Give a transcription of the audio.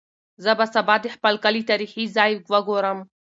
زه به سبا د خپل کلي تاریخي ځای وګورم.